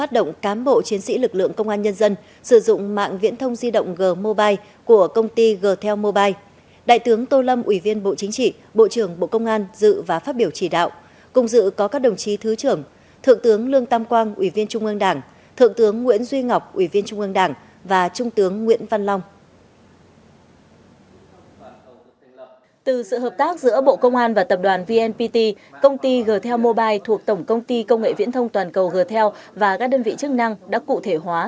từ sự hợp tác giữa bộ công an và tập đoàn vnpt công ty g tel mobile thuộc tổng công ty công nghệ viễn thông toàn cầu g tel và các đơn vị chức năng đã cụ thể hóa